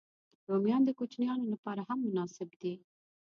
رومیان د کوچنيانو لپاره هم مناسب دي